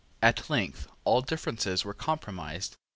At length all differences were compromised.